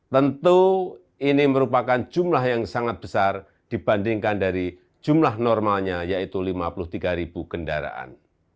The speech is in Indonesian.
tentu ini merupakan jumlah yang sangat besar dibandingkan dari jumlah normalnya yaitu lima puluh tiga ribu kendaraan